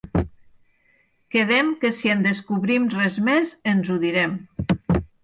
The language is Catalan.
Quedem que si en descobrim res més ens ho direm.